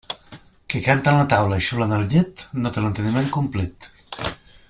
Qui canta en la taula i xiula en el llit no té l'enteniment complit.